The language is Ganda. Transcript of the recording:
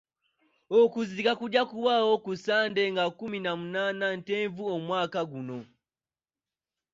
Okuziika kujja kubaawo ku Ssande nga kumi na munaana Ntenvu omwaka guno.